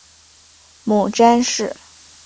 母詹氏。